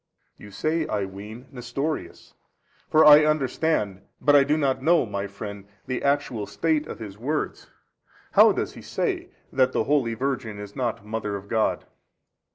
A. You say (I ween) Nestorius, for I understand, but I do |240 not know, my friend, the actual state of his words: how does he say that the holy Virgin is not Mother of God?